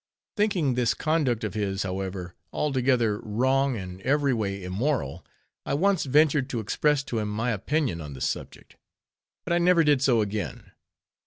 Thinking this conduct of his, however, altogether wrong and every way immoral, I once ventured to express to him my opinion on the subject. But I never did so again.